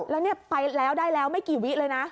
แล้วเนี่ยไปแล้วได้แล้วไม่กี่วิเลยนะ